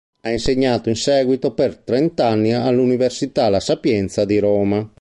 Ha insegnato in seguito per trent’anni all’Università La Sapienza di Roma.